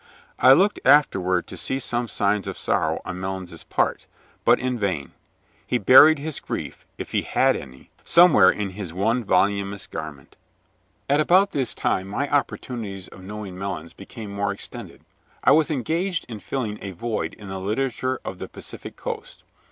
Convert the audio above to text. I looked afterward to see some signs of sorrow on Melons's part, but in vain; he buried his grief, if he had any, somewhere in his one voluminous garment. At about this time my opportunities of knowing Melons became more extended. I was engaged in filling a void in the Literature of the Pacific Coast.